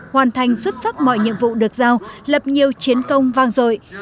hoàn thành xuất sắc mọi nhiệm vụ được giao lập nhiều chiến công vang dội